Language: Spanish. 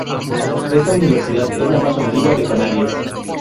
Esta universidad es la más antigua de Canarias.